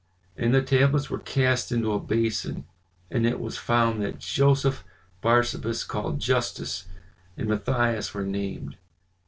And the tablets were cast into a basin; and it was found that Joseph Barsabas, called Justus, and Matthias were named.